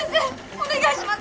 お願いします！